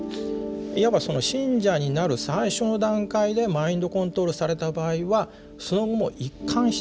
いわばその信者になる最初の段階でマインドコントロールされた場合はその後も一貫してですね